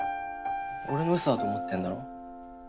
俺の嘘だと思ってるんだろ？